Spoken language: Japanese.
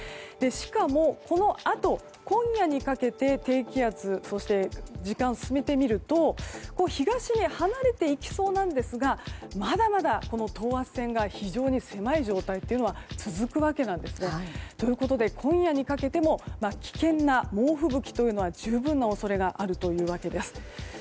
しかも、このあと今夜にかけて低気圧そして時間を進めてみると東へ離れていきそうなんですがまだまだ、等圧線が非常に狭い状態というのは続くわけなんです。ということで今夜にかけても危険な猛吹雪というのは十分な恐れがあるということです。